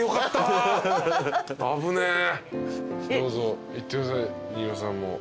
どうぞいってください新納さんも。